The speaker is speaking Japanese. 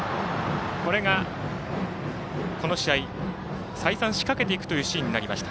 これが、この試合再三、仕掛けていくというシーンになりました。